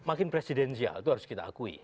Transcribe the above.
makin presidensial itu harus kita akui